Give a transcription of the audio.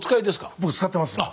僕使ってますね。